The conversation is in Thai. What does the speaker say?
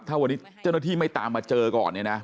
ถ้าวันนี้เจ้าหน้าที่ไม่ตามมาเจอก่อนเนี่ยนะ